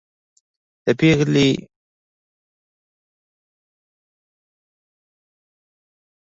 د پېغلې و کوس ته د ځوان غڼ لک شوی